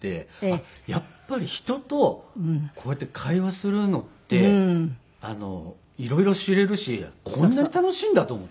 あっやっぱり人とこうやって会話するのって色々知れるしこんなに楽しいんだと思って。